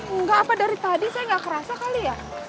enggak apa dari tadi saya nggak kerasa kali ya